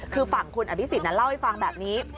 คือฝั่งคุณอภิษฎเล่าให้ฟังแบบนี้